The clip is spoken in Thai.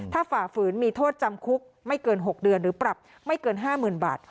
ถ้าฝ่าฝืนมีโทษจำคุกไม่เกิน๖เดือนหรือปรับไม่เกิน๕๐๐๐บาท